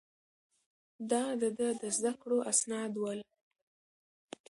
دا د ده د زده کړو اسناد ول.